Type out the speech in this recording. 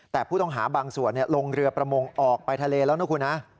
แต่ผู้ต้องหาบางส่วนลงเรือประมงออกไปทะเลแล้วนะคุณฮะ